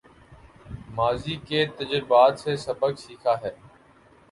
ماضی کے تجربات سے سبق سیکھا ہے